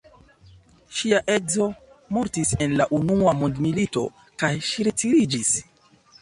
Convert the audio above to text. Ŝia edzo mortis en la unua mondmilito kaj ŝi retiriĝis.